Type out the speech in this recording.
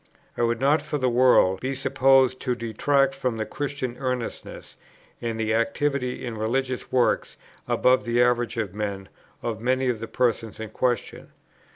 I would not for the world be supposed to detract from the Christian earnestness, and the activity in religious works, above the average of men, of many of the persons in question.